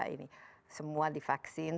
ini semua divaksin